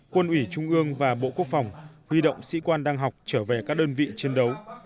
quân ủy trung ương và bộ quốc phòng huy động sĩ quan đang học trở về các đơn vị chiến đấu